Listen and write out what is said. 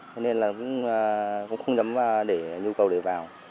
thế nên là cũng không dám để nhu cầu để vào